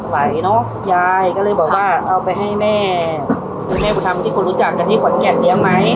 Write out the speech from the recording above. เนอะยายก็เลยบอกว่าเอาไปให้แม่บุญธรรมที่คนรู้จักกันที่ขอนแก่นเลี้ยงไหม